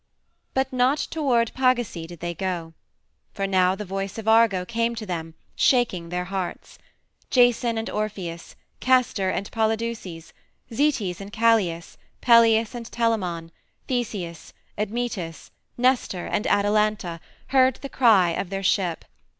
But not toward Pagasae did they go. For now the voice of Argo came to them, shaking their hearts: Jason and Orpheus, Castor and Polydeuces, Zetes and Calais, Peleus and Telamon, Theseus, Admetus, Nestor, and Atalanta, heard the cry of their ship.